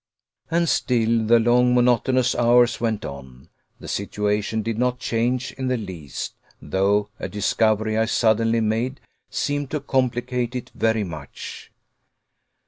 And still the long monotonous hours went on. The situation did not change in the least, though a discovery I suddenly made seemed to complicate it very much.